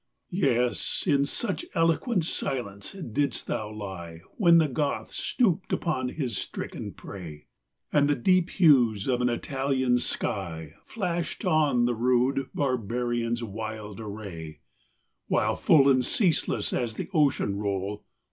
XII. Yes, in such eloquent silence didst thou lie When the Goth stooped upon his stricken prey, And the deep hues of an Italian sky Flasht on the rude barbarian's wild array : While full and ceaseless as the ocean roll.